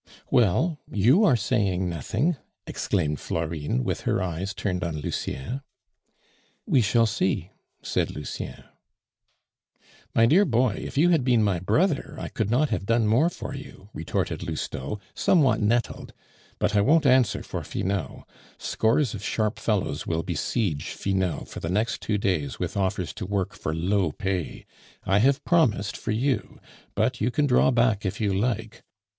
"Well; you are saying nothing!" exclaimed Florine, with her eyes turned on Lucien. "We shall see," said Lucien. "My dear boy, if you had been my brother, I could not have done more for you," retorted Lousteau, somewhat nettled, "but I won't answer for Finot. Scores of sharp fellows will besiege Finot for the next two days with offers to work for low pay. I have promised for you, but you can draw back if you like.